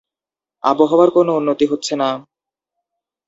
আবহাওয়ায় কোনো উন্নতি হচ্ছে না।